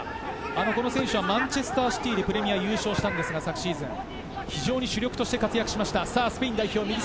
この選手はマンチェスター・シティでプレミアで優勝しました昨シーズン、主力として活躍しました。